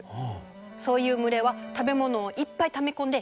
そういう群れは食べ物をいっぱいため込んで余裕がある。